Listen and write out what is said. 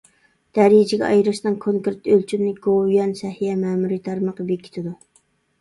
دەرىجىگە ئايرىشنىڭ كونكرېت ئۆلچىمىنى گوۋۇيۈەن سەھىيە مەمۇرىي تارمىقى بېكىتىدۇ.